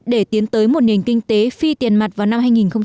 để tiến tới một nền kinh tế phi tiền mặt vào năm hai nghìn hai mươi